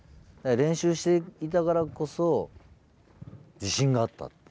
練習していたからこそ自信があった。